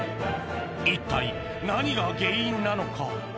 一体何が原因なのか？